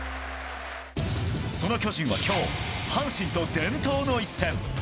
その巨人は今日阪神と伝統の一戦。